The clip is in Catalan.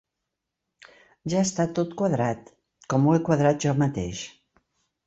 Ja està tot quadrat, com ho he quadrat jo mateix.